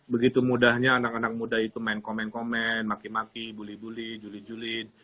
begitu mudahnya anak anak muda itu main komen komen maki maki buli buli juli julid